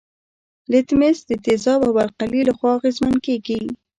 لتمس د تیزاب او القلي له خوا اغیزمن کیږي.